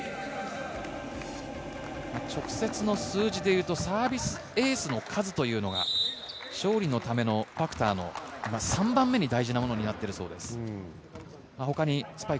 直接の数字でいうとサービスエースの数というのが勝利のためのファクターの３番目に大事なものになっているそうです。